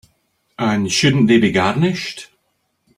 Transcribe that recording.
And shouldn't they be garnished?